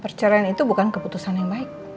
perceraian itu bukan keputusan yang baik